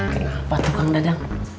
kenapa tukang dadang